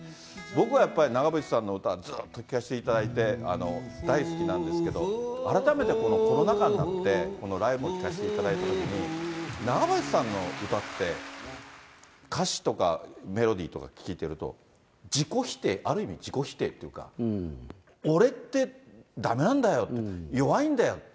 僕はやっぱり長渕さんの歌、ずっと聴かせていただいて、大好きなんですけど、改めて、このコロナ禍になって、このライブも聴かせていただいたときに、長渕さんの歌って、歌詞とかメロディとか聴いてると、自己否定、ある意味、自己否定っていうか、俺ってだめなんだよ、弱いんだよ。